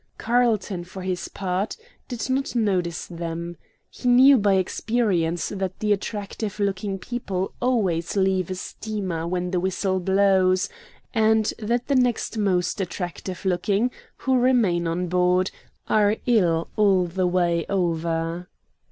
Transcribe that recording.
Carlton, for his part, did not notice them; he knew by experience that the attractive looking people always leave a steamer when the whistle blows, and that the next most attractive looking, who remain on board, are ill all the way over.